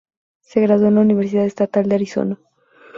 Se graduó en la Universidad Estatal de Arizona.